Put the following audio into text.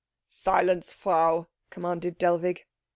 "Silence, Frau!" commanded Dellwig.